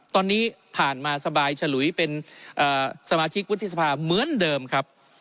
ตอนนี้ผ่านมาสบายฉลุยเป็นสมาชิกวุฒิสภาเหมือนเดิมครับ